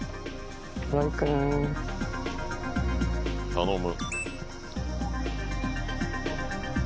頼む。